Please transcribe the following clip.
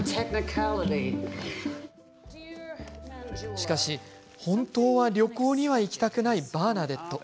しかし、本当は旅行には行きたくないバーナデット。